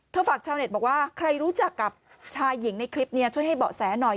ฝากชาวเน็ตบอกว่าใครรู้จักกับชายหญิงในคลิปนี้ช่วยให้เบาะแสหน่อย